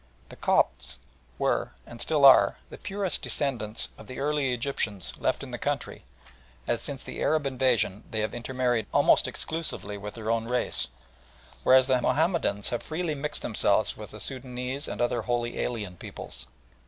The Copts were, and still are, the purest descendants of the early Egyptians left in the country, as since the Arab invasion they have intermarried almost exclusively with their own race, whereas the Mahomedans have freely mixed themselves with the Soudanese and other wholly alien peoples.